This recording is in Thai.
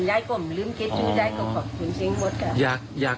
ยังก็ไม่ลืมเก็บชื่อยังก็ขอบคุณเช่นหมดค่ะ